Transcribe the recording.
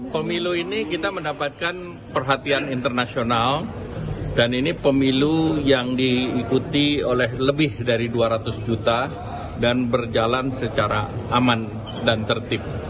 pemilu ini kita mendapatkan perhatian internasional dan ini pemilu yang diikuti oleh lebih dari dua ratus juta dan berjalan secara aman dan tertib